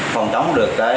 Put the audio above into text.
phòng chống được cái